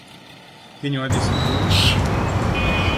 Kiny wadhii sikul